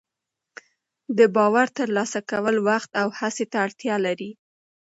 د باور ترلاسه کول وخت او هڅې ته اړتیا لري.